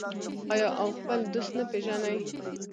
آیا او خپل دوست نه پیژني؟